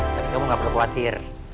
tapi kamu nggak perlu khawatir